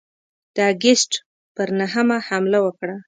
د آګسټ پر نهمه حمله وکړه.